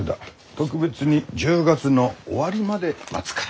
特別に１０月の終わりまで待つから。